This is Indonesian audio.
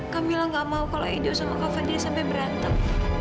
kamilah gak mau kalo edo sama kak fadil sampe berantem